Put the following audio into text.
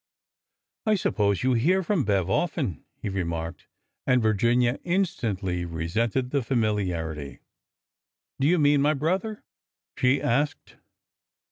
" I suppose you hear from Bev often," he remarked ; and Virginia instantly resented the familiarity. Do you mean my brother ?" she asked.